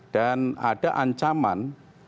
dan ada ancaman